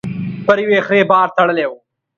پر يوې خرې بار تړلی و.